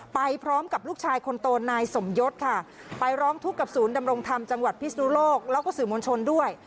ไปพร้อมกับลูกชายคนโตนายสมยศค่ะไปร้องทุกข์กับศูนย์ดำรงธรรมจังหวัดพิศนุโลกแล้วก็สื่อมวลชนด้วย